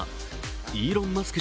イーロン・マスク